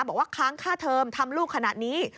บอกว่าค้างค่าเทอมทำลูกขนาดนี้